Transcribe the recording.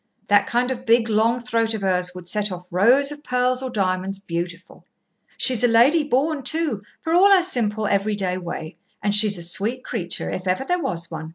That kind of big long throat of hers would set off rows of pearls or diamonds beautiful! She's a lady born, too, for all her simple, every day way; and she's a sweet creature, if ever there was one.